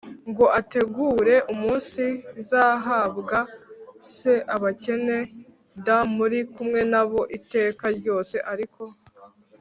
Ngo ategure umunsi nzahambwa c abakene d muri kumwe na bo iteka ryose ariko